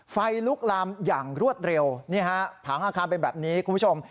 ไฟลุกลามอย่างรวดเร็วนี่ฮะผังอาคารเป็นแบบนี้คุณผู้ชม